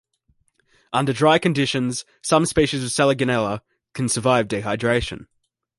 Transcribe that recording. Under dry conditions, some species of "Selaginella" can survive dehydration.